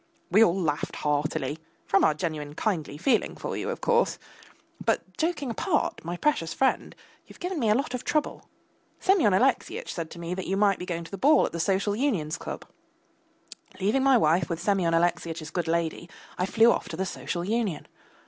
We all laughed heartily from our genuine kindly feeling for you, of course but, joking apart, my precious friend, you have given me a lot of trouble. Semyon Alexeyitch said to me that you might be going to the ball at the Social Union's club! Leaving my wife with Semyon Alexeyitch's good lady, I flew off to the Social Union.